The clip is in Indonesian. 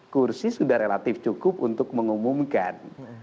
dua puluh satu kursi sudah relatif cukup untuk mengumumkan